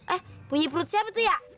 eh bunyi perut siapa tuh ya